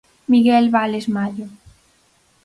Miguel Vales Mallo.